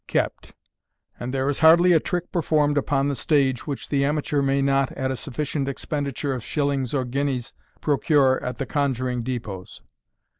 kept j and there is hardly a trick performed upon the stage which the amateur may not, at a sufficient expenditure of shillings or guineas, procure at the conjuring depdts.